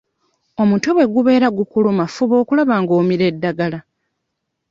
Omutwe bwe gubeera gukuluma fuba okulaba nga omira eddagala.